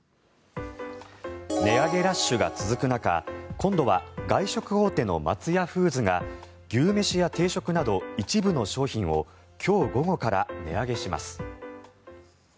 値上げラッシュが続く中今度は外食大手の松屋フーズが牛めしや定食など一部の商品を今日午後から値上げします。